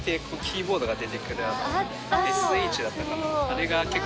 ＳＨだったかな？